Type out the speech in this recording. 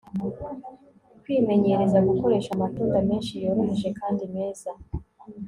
kwimenyereza gukoresha amatunda menshi yoroheje kandi meza